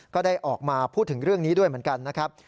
ก็ได้ออกมาพูดถึงเรื่องนี้ด้วยเหมือนกันนะครับ